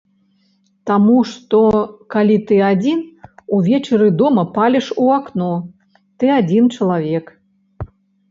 Таму што калі ты адзін, увечары дома паліш у акно,— ты адзін чалавек.